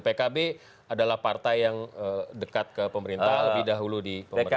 pkb adalah partai yang dekat ke pemerintah lebih dahulu di pemerintahan